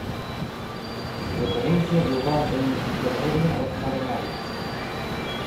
Referencia global en Encyclopaedia of Mathematics